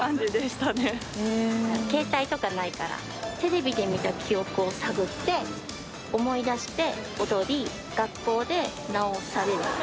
携帯とかないからテレビで見た記憶を探って思い出して踊り。